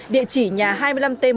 địa chỉ nhà hai mươi năm t một